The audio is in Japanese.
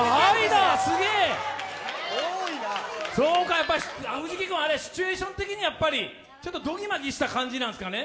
やっぱり藤木君、あれシチュエーション的にちょっとドギマギした感じなんですかね。